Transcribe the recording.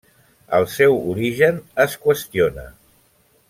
El seu origen es qüestiona.